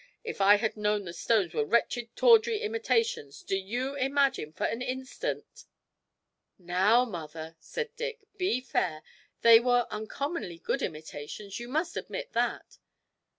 If I had known the stones were wretched tawdry imitations, do you imagine for an instant ?' 'Now, mother,' said Dick, 'be fair they were uncommonly good imitations, you must admit that!'